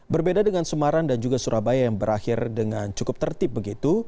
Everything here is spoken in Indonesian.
berbeda dengan semarang dan juga surabaya yang berakhir dengan cukup tertib begitu